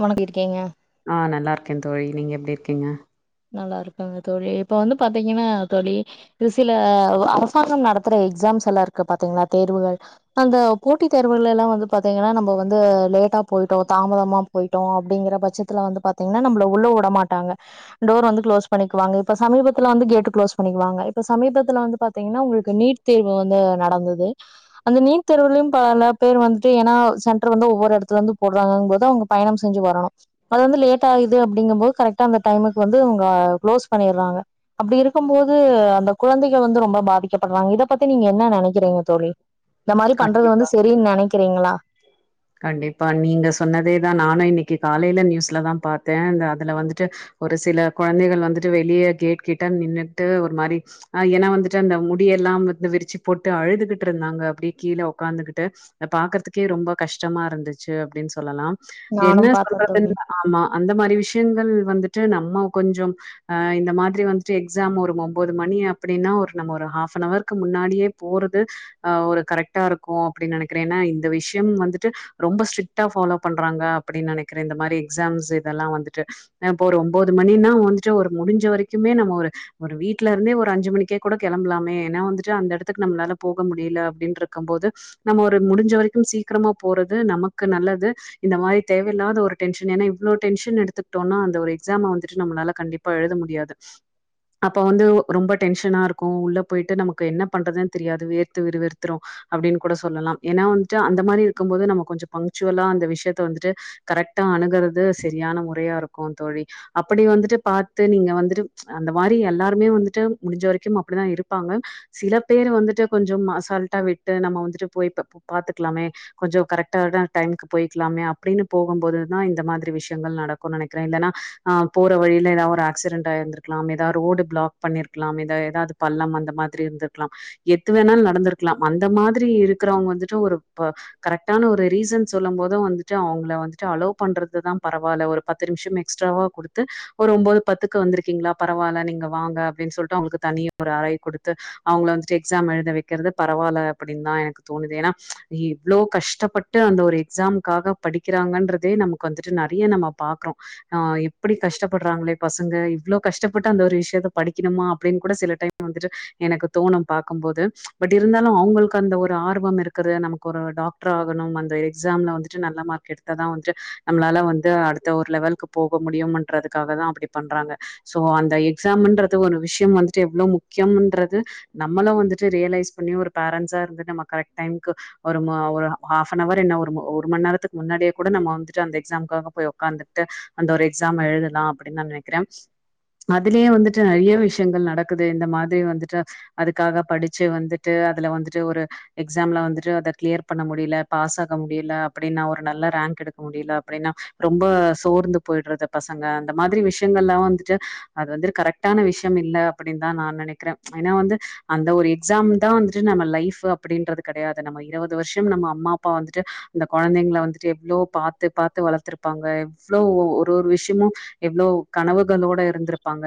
ஓனக்கு இருக்கங்கே ஆ நல்லா இருக்கே தோழி நீங்க எப்டி இருக்கீங்கே நல்லா இருக்காங்க தோழி இப்ப வந்து பாத்தீங்கன்னா தோழி இ சில அரசாங்கம் நடத்துற எக்ஸாம்ஸ் எல்லா இருக்கு பாத்தீங்கன்னா தேர்வுகள் அந்த போட்டி தேர்வுகள் எல்லா வந்து பாத்தீங்கன்னா நம்ப வந்து லேட்டா போயிட்டோ தாமதமா போயிட்டோ அப்டிங்கற பட்சத்துல வந்து பாத்தீங்கன்னா நம்மள உள்ள வுடமாட்டாங்க டோர் வந்து க்ளோஸ் பண்ணிக்குவாங்க இப்போ சமீபத்துல்ல வந்து கேட்டு க்ளோஸ் பண்ணிடுவாங்க இப்போ சமீபத்துலா வந்து பாத்தீங்கன்னா உங்களுக்கு நீட் தேர்வு வந்து நடந்தது அந்த நீட் தேர்வுலயு பல பேர் வந்துட்டு ஏனா சென்டர் வந்து ஒவ்வொரு எடத்துல இருந்து போடுறாங்க போது அவுங்க பயணம் செஞ்சு வரனு அது வந்து லேட் ஆகுது அப்டிங்கும் போது கரெட்டா அந்த டைமுக் வந்து உங்க க்ளோஸ் பண்ணிடறாங்க அப்டி இருக்கும் போது அந்த கொழந்தைகள் வந்து ரொம்ப பாதிக்கப்படறாங்க இத பத்தி நீங்க என்ன நெனைக்கிறீங்க தோழி இந்த மாரி பண்றது வந்து கண்டிப்பா சரின்னு நெனைக்கிறீங்களா கண்டிப்பா நீங்க சொன்னதேதா நானு இன்னிக் னிக்கு காலையில நியூஸ்லதா பாத்த அந்த அதுல வந்துட்டு ஒரு சில கொழந்தைகள் வந்துட்டு வெளிய கேட் கிட்ட நின்ட்டு ஒரு மாரி ஆ ஏன்னா வந்துட்டு அந்த முடிய எல்லாம் வந்து விருச்சு போட்டு அழுதுகிட்டு இருந்தாங்க அப்டி கீழ உக்காந்துகிட்டு பாக்குறதுக்கே ரொம்ப கஷ்டமா இருந்துச்சு அப்டின் சொல்லலாம் நானும் என்ன பாத்தே சொல்றதுன் தோழி ஆமா அந்த மாரி விஷ்யங்கள் வந்துட் ட்டு நம்ம கொஞ்சோம் அ இந்த மாதிரி வந்துட்டு எக்ஸாம் ஒரு ஒம்போது மணி அப்டின்னா ஒரு ஹாஃப்னவர்க்கு முன்னாடியே போறது ஒரு கரெக்ட் ட்டா இருக்கு அப்டின் நெனைக்கிற ஏன்னா இந்த விஷ்யம் வந்துட்டு ரொம்ப ஸ்ட்ரிக்டா ஃபாலோ பண்றாங்க அப்டின் நெனைக்கிற இந்த மாரி எக்ஸாம்ஸ் இதெல்லா வந்துட்டு இப்ப ஒரு ஒம்போது மணினா வந்துட்டு ஒரு முடுஞ்ச வரைக்குமே நம்ம ஒரு வீட்ல இருந்தே ஒரு அஞ்சு மணிக்கே கூட கெளம்புலாமே ஏன்னா வந்துட்டு அந்த எடத்துக்கு நம்மளால போக முடியில அப்டின்ற க்கம் போது நம்ம ஒரு முடுஞ்ச வரைக்கு சீக்கிரமா போறது நமக்கு நல்லது இந்த மாரி தேவையில்லாத ஒரு டென்ஷன் ஏன்னா இவ்ளோ டென்ஷன் எடுத்துக்கிட்டோன்னா அந்த ஒரு எக்ஸாம் வந்துட்டு நம்மளால கண்டிப்பா எழுத முடியாது அப்ப வந்து ரொம்ப டென்ஷனா இருக்கு உள்ள போயிட்டு நமக்கு என்ன பண்றதுன் தெரியாது வேர்த்து விருவிருத்துரு அப்டின் கூட சொல்லலாம் ஏன்னா வந்துட்டு அந்த மாரி இருக்கும் போது நம்ம கொஞ்சோ பங்க்சுவலா அந்த விஷ்யத்த வந்துட்டு கரெக்டா அணுகுறது சரியான முறையா இருக்கு தோழி அப்புடி வந்துட்டு பாத்து நீங்க வந்துட்டு அந்த மாரி எல்லாருமே வந்துட்டு முடுஞ்ச வரைக்கும் அப்படிதா இருப்பாங்க சில பேரு வந்துட்டு கொஞ்சோம் அசால்ட்டா விட் ட்டு நம்ம வந்துட்டு போய் பாத்துக்கலாமே கொஞ்சோ கரெக்ட்டான டைமுக்கு போயிக்கலாமே அப்டின்னு போகும் போதுதா இந்த மாதிரி விஷ்யங்கள் நடக்குன் நெனைக்கிற இல்லன்னா அ போற வழில எதாவது ஒரு ஏக்சிரென்ட் ஆயிருந்துருக்கலாம் எதா ரோடு பிளாக் பண்ணிருக்கலமே இத எதாவது பள்ளம் அந்த மாதிரி இருந்துருக்கலா எது வேணாலு நடந்துருக்கலா அந்த மாதிரி இருக்குறவங்க வந்துட்டு ஒரு கரெக்டான ஒரு ரீசன் சொல்லும் போது வந்துட்டு அவங்கள வந்துட்டு அலோ பண்றது தா பரவால்ல ஒரு பத்து நிம்ஷம் எக்ஸ்ட்ராவா குடுத்து ஒரு ஒம்போது பத்துக்கு வந்துருக்கீங்களா பரவால்ல நீங்க வாங்க அப்டின் சொல்லிட்டு அவங்களுக்கு தனியா ஒரு அறைய குடுத்து அவங்கள வந்துட்டு எக்ஸாம் எழுத வெக்குறது பரவால்ல அப்புடின்தா எனக்கு தோணுது ஏன்னா இவ்ளோ கஷ்டப்பட்டு அந்த ஒரு எக்ஸாம்காக படிக்கிறாங்கன்றதே நமக்கு வந்துட்டு நறையா நம்ம பாக்குறோ ஆ எப்டி கஷ்டப்படுறாங்களே பசங்க இவ்ளோ கஷ்டப்பட்டு அந்த ஒரு விஷ்யத்த படிக்கணுமா அப்டின் கூட சில டைம் வந்துட்டு எனக்கு தோணும் பக்கும்போது பட் இருந்தாலு அவங்களுக்கு அந்த ஒரு ஆர்வம் இருக்குது நமக்கு ஒரு டாக்டர் ஆகணும் அந்த எக்ஸாம்ல வந்துட்டு நல்ல மார்க் எடுத்த தா வந்துட்டு நம்மளால வந்து அடுத்த ஒரு லெவலுக்கு போக முடியும்ன்றதுக்காக தா அப்புடி பண்றாங்க சோ அந்த எக்ஸாம்ன்றது ஒரு விஷ்யம் வந்துட்டு எவ்ளோ முக்கியம்ன்றது நம்மளு வந்துட்டு ரியலைஸ் பண்ணி ஒரு பேரன்ஸ்சா இருந்து நம்ம கரெக்ட் டைம்க்கு வருமா ஒரு ஆஃப்னவர் என்ன ஒரு மண் நேரத்துக்கு முன்னாடியே கூட நம்ம வந்துட்டு அந்த எக்ஸ்சாம்முக்கு போய் உக்காந்துட்டு அந்த எக்ஸாம்ம எழுதலா அப்டின் நா நெனைக்கிற அதுலயே வந்து நெறைய விஷ்யங்கள் நடக்குது இந்த மாதிரி வந்துட்டு அதுக்காக படுச்சு வந்து ட்டு அதுல வந்துட்டு ஒரு எக்ஸாம்ல வந்துட்டு அத கிளியர் பண்ண முடியில பாஸ் ஆக முடியில அப்டின்னா ஒரு நல்ல ரேங்க் எடுக்க முடியில அப்டின்னா ரொம்ப சோந்து போயிடுறது பசங்க அந்த மாதிரி விஷ்யங்கள் எல்லா வந்துட்டு அது வந்து கரெக்டான விஷ்யம் இல்ல அப்டின்தா நா நெனைக்கிற ஏன்னா வந்து அந்த ஒரு எக்ஸாம் ட்டா வந்துட்டு நம்ம லைஃப்பு அப்டின்றது கெடையாது நம்ம இருவது வருஷம் நம்ம அம்மா அப்பா வந்துட்டு அந்த கொழந்தைங்கள வந்துட்டு எவ்ளோ பாத்த பாத்து வளத்துருப்பாங்க எவ்ளோ ஒரு ஒரு விஷ்யமு எவ்ளோ கனவு களோட இருந்துருப்பாங்க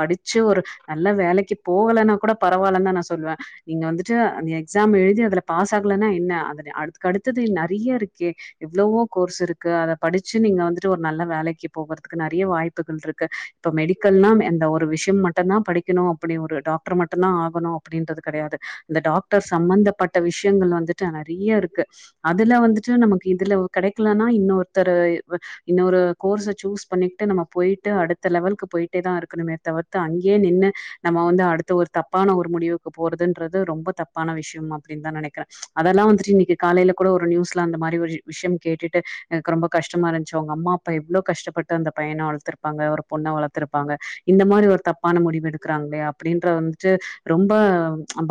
படிச்சு ஒரு நல்ல வேலைக்கு போகலைன்னா கூட பரவால்லன்தா நா சொல்லுவ நீங்க வந்துட்டு அந்த எக்ஸாம் எழுதி அதுல பாஸ் ஆகலைன்னா என்ன அது அக்கு அடுத்தது நறைய இருக்கே எவ்ளவோ கோர்ஸ் இருக்கு அத படுச்சு நீங்க வந்துட்டு ஒரு நல்ல வேலைக்கு போகுறதுக்கு நறைய வாய்ப்புகள் இருக்கு இப்போ மெடிக்கல்லாம் எந்த ஒரு விஷ்யம் மட்டுந்தா படிக்கணு அப்புடி ஒரு டாக்டர் மட்டுந்தா ஆகணு அப்டின்றது கெடையாது இந்த டாக்டர்ஸ் சம்பந்தப்பட்ட விஷ்யங்கள் வந்து ட்டு நறைய இருக்கு அதுல வந்துட்டு நமக்கு இதுல கெடைக்கலன்னா இன்னொருத்தரு இன்னொரு கோர்ச சூஸ் பண்ணிட்டு நம்ம போயிட்டு அடுத் த்து லெவலுக்கு போயிட்டேதா இருக்கணுமே தவுர்த்து அங்கயே நின்னு நம்ம வந்து அடுத்த ஒரு தப்பான ஒரு முடிவுக்கு போறதுன்றது து ரொம்ப தப்பான விஷ்யம் அப்டின்தா நெனைக்கிற அதெல்லா வந்துட்டு இன்னிக்கு காலையில கூட ஒரு நியூஸ்ல அந்த மாரி ஒரு விஷ்யம் கேட்டுட்டு எனக்கு ரொம்ப கஷ்டமா இருந்துச்சு அவங்க அம்மா அப்பா எவ்ளோ கஷ்டப்பட்டு அந்த பையன வளத்துருப்பாங்க ஒரு பொண்ண வளத்துருப்பாங்க இந்த மாரி ஒரு தப்பான முடிவு எடுக்கறாங்களே அப்டின்ற வந்துட்டு ரொம்ப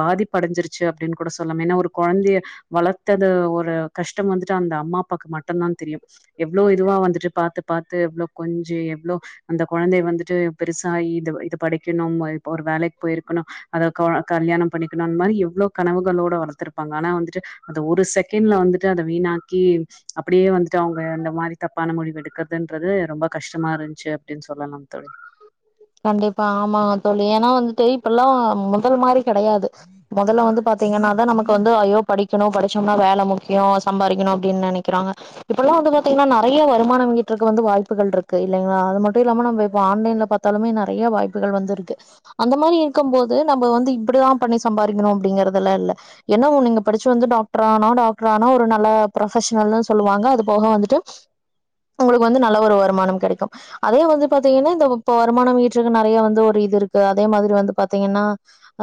பாதிப்படஞ்சுருச்சு அப்டின் கூட சொல்லாம் ஏன்னா ஒரு கொழந்தைய வளத்தது ஒரு கஷ்டம் வந்துட்டு அந்த அம்மா அப்பாக்கு மட்டுந்தா தெரியும் எவ்ளோ இதுவா வந்துட்டு பாத்து பாத்து எவ்ளோ கொஞ் சி எவ்ளோ அந்த கொழந்தை வந்துட்டு பெருசா இது இது படிக்கணும் ஒரு வேலைக் போயிருக்கணு அத கொழ கல்யாணம் பண்ணிக்கணு அந்த மாரி எவ்ளோ கனவுகளோட வளத்துருப்பாங்க ஆனா வந்துட்டு அத ஒரு செகண்ட்ல வந்துட்டு அத வீணாக்கி அப்புடியே வந்துட்டு அவங்க அந்த மாரி தப் தப்பான முடிவு எடுக்குறதுன்றது ரொம்ப கஷ்டமா இருந்துச்சு அப்டின் சொல்லலாம் தோழி கண்டிப்பா ஆமா தோழி எனா வந்துட்டு இப்பல்லா மொதல் மாரி கெடையாது முதல்ல வந்து பாத்தீங்கன்னாதா நமக் கு வந்து ஐய்யோ படிக்கணு படிச்சோம்னா வேல முக்யோ சம்பாரிக்கணும் அப்டின் நனைக்கிறாங்க இப்பெல்லா வந்து பாத்தீங்கன்னா நறைய வருமான மீட்றதுக்கு வந்து வாய்ப்புகள் இருக்கு இல்லைங்ளா அது மட்டும் இல்லாம நம்ம இப்போ ஆன்லைன்ல பாத் தலுமே நறைய வாய்ப்புகள் வந்து இருக்கு அந்த மாரி இருக்கும் போது நம்ம வந்து இப்டிதா பண்ணி சம்பாரிக்கணும் அப்டிங்கறது எல்லா இல்ல என்னா ஒன்னு நீங்க படிச்சு வந்து டாக்டர் ஆனா டாக்டர் ஆனா ஒரு நல்ல ப்ரொபஷனல்னு சொல்லுவாங்க அது போக வந்துட்டு உங்ளுக்கு வந்து நல்ல ஒரு வருமானம் கெடைக்கும் அதே வந்து பாத்தீங்கன்னா இந்த இப்போ வருமானம் ஈட்டுருக்கு நறைய வந்து ஒரு இது இருக்கு அதே மாதிரி வந்து பாத்தீங்கன்னா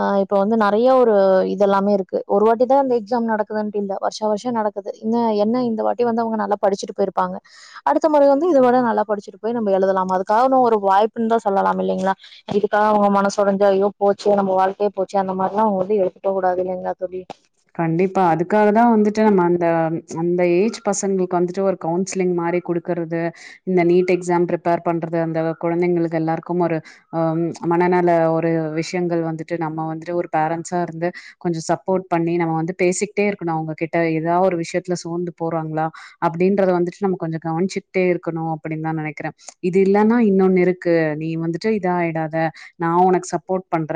ஆ இப்ப வந்து நறையா ஒரு இது எல்லாமே இருக்கு ஒரு வாட்டி தா இநத் எக்ஸாம் நடக் குட்டு இல்ல வருஷ வருஷம் நடக்குது இன்ன என்ன இந்த வாட் டி வந்து அவுங்க நல்லா படிச்சுட்டு போயிருப்பாங்க அடுத்த மொறை வந்து இத விட நல்லா படிச்சுட்டு போய் நம்ம எழுதலாம் அதுக்கனொரு வாய்ப் புன்தா சொல்லலா இல்லிங்ளா இதுக்காக அவுங்க மனசோடைஞ்சி ஐய்யோ போச்சு நம்ம வாழ்க் கே போச்சு அந்த மாரிலா அவுங்க வந்து எடுத்துக்க கூடாது இல்லிங்லா தோழி கண்டிப்பா. அதுக்காக தான் வந்துட்டு நம்ம அந்த அந்த ஏஜ் பசங்களுக் வந்துட்டு ஒரு கவுன்சிலிங் மாரி குடுக்கறது இந்த நீட் எக்ஸாம் ப்ரிப்பர் பண்றது அந்த குழந்தைங்களுக்கு எல்லாருக்கும் ஒரு ஆ மனநல ஒரு விஷ்யங்கள் வந்துட் டு நம்ம வந்துட்டு ஒரு பேரண்ட்ஸா இருந்து கொஞ்சோ சப்போர்ட் பண்ணி நம்ம வந்து பேசிக்கிட்டே இருக்கணு அவுங்ககிட்ட எதா ஒரு விஷ்யத்ல சோந்து போறாங்ளா அப்டின்றத வந்துட்டு நம்ம கொஞ்சோ கவனிச்சுகிட்டே இருக்கணும் அப்டின்னு தா நனைக்கிற இது இல்லன்னா இன்னொன்னு இருக்கு நீ வந்துட்டு இதா ஆயிடாத நா உனக்கு சப்போர்ட் பண்ற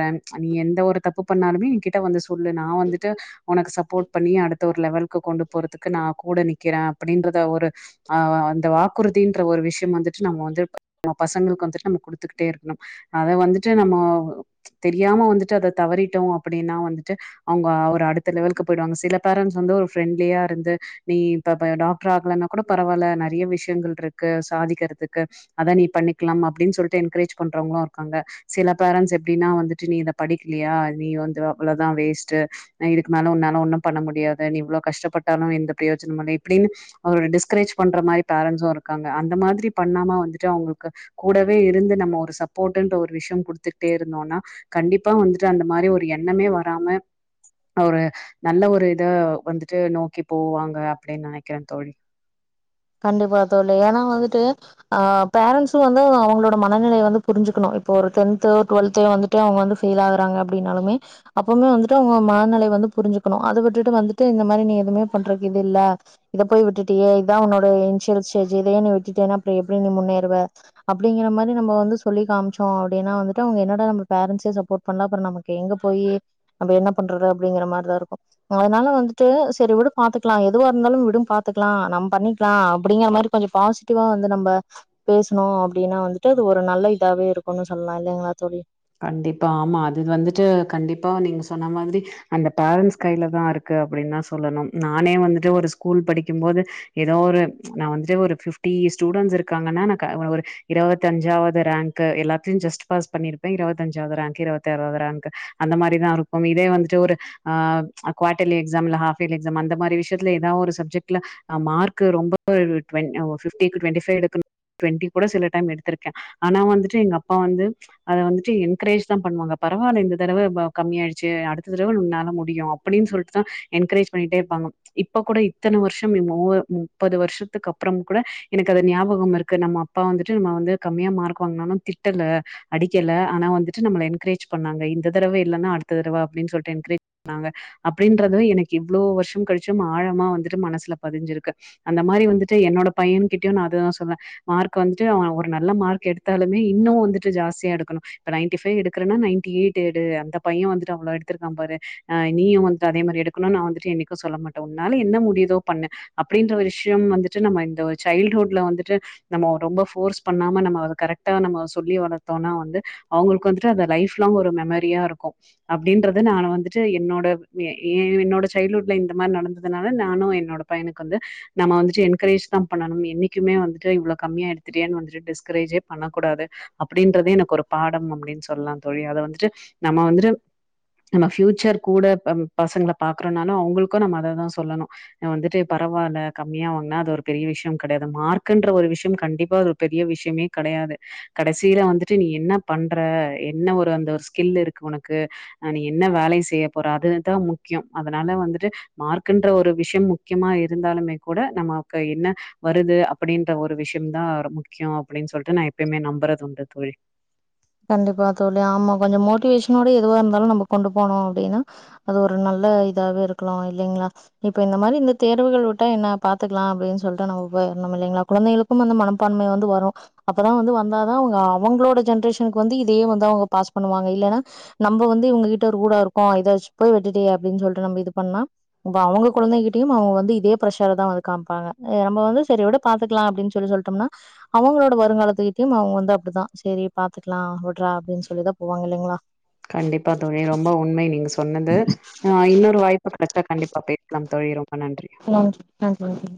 நீ எந்த ஒரு தப்பு பண்ணாலுமே என்கிட்ட வந்து சொல்லு நா வந்துட்டு உனக்கு சப்போர்ட் பண்ணி அடுத்த ஒரு லெவலுக்கு கொண்டு போறதுக்கு நா கூட நிக்கிற அப்டின்றத ஒரு ஆ அந்த வாக்குறுதின்ற ஒரு விஷ்யம் வந்துட்டு நம்ம வந்து நம்ம பசங்களுக்கு வந்துட்டு நம்ம குடுத்துக்கிட்டே இருக்கணும் அத வந்துட்டு நம்மோ தெரியாம வந்துட்டு அத தவறிட்டோ அப்டின்னா வந்துட்டு அவுங்க ஒரு அடுத்த லெவலுக்கு போயி்டுவாங்க சில பேரண்ட்ஸ் வந்து ஒரு ஃப்ரெண்ட்லியா இருந்து நீ இப்ப ப டாக்டர் ஆகலன்னா கூட பரவால நறைய விஷ்யங்கள் டிருக்கு சாதிக்கறதுக்கு அத நீ பண்ணிக்கலாம் அப்டின்னு சொல்லிட்டு என்கரேஜ் பண்றவங்களும் இருக்காங்க சில பேரண்ட்ஸ் எப்டின்னா வந்துட் டு நீ இத படிக்லியா நீ வந்து அவ்ளோ தா வேஸ்ட்டு இதுக்கு மேலே உன்னால ஒன்னும் பண்ண முடியாது நீ இவ்ளோ கஷ்டப்பட்டாலும் எந்த பிரயோஜனமுல்ல இப்டின்னு அவர டிஸ்கரேஜ் பண்ற மாரி பேரண்ட்ஸும் இருக்காங்க அந்த மாதிரி பண்ணாம வந்துட்டு அவுங்ளுக்கு கூடவே இருந்து நம்ம ஒரு சப்போர்ட்ன்ற ஒரு விஷ்யம் குடுத்துட்டே இருந்தோனா கண்டிப்பா வந்துட்டு அந்த மாரி ஒரு எண்ணமே வராம ஒரு நல்ல ஒரு இதா வந்துட்டு நோக்கி போவாங்க அப்டின் நனைக்கிற தோழி கண்டிப்பா தோழி ஏன்னா வந்துட்டு ஆ பேரண்ட்ஸும் வந்து அவுங்களோட மனநிலை வந்து புரிஞ்சுக்குணும் இப்போ ஒரு டென்த்து டுவெல்த்து வந்துட்டு அவுங்க வந்து ஃபெயில் ஆகுறாங்க அப்டின்னாலுமே அப்பமே வந்துட்டு அவுங்க மனநிலை வந்து புரிஞ்சுக்கணும் அது விட்டுட்டு வந்துட்டு இந்த மாரி நீ எதுமே பண்றக்கு இது இல்ல இத போய் விட்டுட்டியே இதா உன்னோட இது இனிஷியல் ஸ்டேஜூ இதுவே நீ விட்டுட்டனா அப்றோ எப்டி நீ முன்னேறுவ அப்டிங்கற மாரி நம்ம வந்து சொல்லி காமிச்சோ அப்டினா வந்துட்டு அவுங்க என்னடா நம்ம பேரண்ட்ஸ்சே சப்போர்ட் பண்ல அப்பற நமக்கெங்க எங்க போயி நம்ம என்ன பண்றது அப்டிங்கிற மாரி தா இருக்கும் அதனால வந்துட்டு செரி வுடு பாத்துக்லா எதுவா இருந்தாலும் விடும் பாத்துக்லா நம் பண்ணி க்கலா அப்டிங்கற மாரி கொஞ்சோ ஃபாசிட்டிவா வந்து நம்ப பேசுனு அப்டின்னா வந்துட்டு இது ஒரு நல்ல இதாவே இருக்குனு சொல்லா இல்லிங்ளா தோழி கண்டிப்பா ஆமா அது வந்துட்டு கண்டிப்பா நீங்க சொன்ன மாதிரி அந்த பேரன்ண்ட்ஸ் கைலதா இருக்கு அப்டின்னா சொல்லணும் நானே வந்துட்டு ஒரு ஸ்கூல் படிக்கும் போது ஏதோ ஒரு நா வந்துட்டு ஒரு ஃப்ட்டி ஸ்டூடெண்ட்ஸ் இருக்காங்கன்னா நா க ஒரு ஒரு இருவத்தஞ்சாவது ரேங்க்கு எல்லாத்தியும் ஜஸ்ட் பாஸ் பண்ணிருக் க இருவத்தஞ்சாவது ரேங்க்கு இருவத்தி ஆறாவது ரேங்க்கு அந்த மாரிதாருக்கும் இதே வந்துட்டு ஒரு ஆ குவாட்டர்லி எக்ஸாம் இல்ல ஹாஃப் இயர்லி எக்ஸாம் அந்த மாரி விஷ்யத்ல எதா ஒரு சப்ஜெக்ட்ல மார்க் ரொம்ப ஒரு டூவென் ஆ ஓ ஃபிஃப்டிக்கு ட்வென்டி ஃபைவ் எடுக்குனு ட்வென்டி கூட சில டைம் எடுத்திருக்க ஆனா வந்துட்டு எங்க அப்பா வந்து அத வந்துட்டு என்கரேஜ் தா பண்ணுவாங்க பரவால இந்த தடவ பா கம்மியயிடுச்சு அடுத்த தடவ லுன்னால முடியு அப்டின்னு சொல்லிட்டுதா என்கரேஜ் பண்ணிட்டே இருப்பாங்க இப்ப கூட இத்தன வருஷோ ம் மூ முப்பது வருஷத்துக்கு அப்றோ கூட எனக்கு அது ஞாபகம் இருக்கு நம்ம அப்பா வந்துட்டு நம்ம வந்து கம்மியா மார்க் வாங்கினாலும் திட்டல அடிக்கல ஆனா வந்துட்டு நம்மள என்கரேஜ் பண்ணாங்க இந்த தடவ இல்லன்னா அடுத்த தடவ அப்டின்னு சொல்ட்டு என்கரேஜ் பண்ணாங்க அப்டின்றத எனக் இவ்ளோ வருஷம் கழிச்சும் ஆழமா வந்துட்டு மனசுல பதிஞ்சிருக்கு அந்த மாரி வந்துட்டு என்னோட பையன்கிட்யு நா அதுதா சொல்வ மார்க் வந்துட்டு அவன் ஒரு நல்ல மார்க் எடுத்தாலுமே இன்னும் வந்துட்டு ஜாஸ் தி எடுக்கனு இப்ப நைட்டி ஃபைவ் எடுக்கறனா நைட்டி எய்ட் எடு அந்தப் பையன் வந்துட்டு அவ்ளோ எடுத்திருக்கான் பாரு அ நீயும் வந்துட்டு அதே மாரி எடுக்கணுனு நா வந்துட்டு என்னைக்கு சொல்ல மாட்ட உன்னால என்ன முடியுதோ பண்ணு அப்டின்ற ஒரு விஷ்யம் வந்துட்டு நம்ம இந்த ஒரு சைல்ட் ஹுட்ல வந்துட்டு நம்ம ரொம்ப ஃபோர்ஸ் பண்ணாம நம்ம கரெக்டா நம்ம சொல்லி வளத் தோனா வந்து அவுங்ளுக்கு வந்துட்டு அந்த லைஃப் லாங் ஒரு மெமரியாருக்கும் அப்டின்றது நானு வந்துட்டு என்னோட எ ஏ என்னோட சைல்டடுஹுட்ல இந்த மாரி நடந்ததுனால நானும் என்னோட பையனுக்கு வந்து நம்ம வந்துட்டு என்கரேஜ் தா பண்ணணும் என்னைக்குமே வந்துட்டு இவ்ளோ கம்மியா எடுத்துட்டியேனு வந்துட்டு டிஸ்கரேஜ்யே பண்ணக்கூடாது அப் அப்டின்றதே எனக்கு ஒரு பாடம் அப்டின்னு சொல்லா தோழி அத வந்துட்டு நம்ம வந்துட்டு நம்ம ஃபியூச் சர் கூட பம் பசங்ள பாக்றனாலும் அவுங்ளுக்கும் நம்ம அததா சொல்லணு வந்துட்டு பரவால கம்மியா வாங்னா அது ஒரு பெரிய விஷ்யம் கெடையாது மார்க் குன்ற ஒரு விஷ்யம் கண்டிப்பா அது ஒரு பெரிய விஷ்யமே கெடையாது கடைசி ல வந்துட்டு நீ என்ன பண்ற என்ன ஒரு அந்த ஒரு ஸ்கில்லிருக்கு உனக்கு நீ என்ன வேலயு செய்ய போறாது அதா முக்யோ அதனால வந்துட்டு மார்க்குன்ற ஒரு விஷ்யம் முக்கியமா இருந்தாலுமே கூட நமாக்கு என்ன வருது அப்டின்ற ஒரு விஷ்யம் தா ரெம் முக்கியோ அப்டின்னு சொல்லிட்டு நா எப்யுமே நம்றது உண் [unintelligible] கண்டிப்பா தோழி ஆமா கொஞ்சோ மோட்டிவேஷனோட எதுவா இருந்தாலும் நம்போ கொண்டு போனு அப்டினா அது ஒரு நல்ல இதாவே இருக்கலா இல்லீங்ளா இப்ப இந்த மாரி இந்த தேர்வுகள் வுட்டா என்ன பாத்துக்கலா அப்டின்னு சொல்ட்டு நம்ம போயிர்னு இல்லீங்ளா குழந்தைகளுக்கும் அந்த மனப்பான்மை வந்து வரும் அப்பதா வந்து வந்தாதா அவுங்க அவுங்களோட ஜென்ரேஷ் எனக்கு வந்து இதே மாரி தா வரு பாஸ் பண்ணுவாங்க இல்லனா நம்போ வந்து இவங்ககிட்ட ரூடாருக்கோ இதஸ் போய் விட்டுடியே அப்டின் சொல்ட்டு நம்ம இது பண்ண வா அவுங்க குழ்ந்தைககிட்டயும் அவுங்க வந்து இதே பிரஷர்ரதா வந்து காம்பாங்க ஏ ரம்போ வந்து செரி வுடு பாத்துக்ல அப்டின் சொல்லி சொல்டோனா அவுங்களோட வருங்காலத்துகிட்யு அவுங்க வந்து அப்டி தா செரிப் பாத்துக்கலா வுட்றா அப்டின் சொல்லிதா போவாங்க இல்லிங்ளா கண்டிப்பா தோழி ரொம்ப உண்மை நீங்க சொன்னது ஆ இன்னொரு வாய்ப்பு கெடச்சா கண்டிப்பா பேசலாம் தோழி ரொம்ப நன்றி ம் நன்றி நன்றி